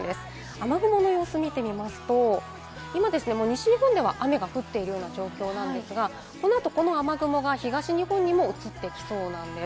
雨雲の様子を見てみますと、今、西日本では雨が降っているような状況ですが、このあとこの雨雲が東日本にもうつってきそうです。